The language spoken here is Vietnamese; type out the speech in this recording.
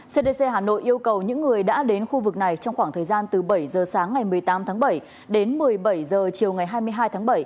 cdc hà nội yêu cầu những người đã đến khu vực này trong khoảng thời gian từ bảy giờ sáng ngày một mươi tám tháng bảy đến một mươi bảy h chiều ngày hai mươi hai tháng bảy